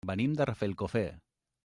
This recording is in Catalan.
Venim de Rafelcofer.